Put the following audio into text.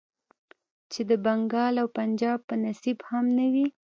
چې د بنګال او پنجاب په نصيب هم نه وې.